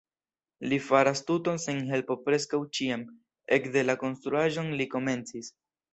Li faras tuton sen helpo preskaŭ ĉiam, ekde la konstruaĵon li komencis.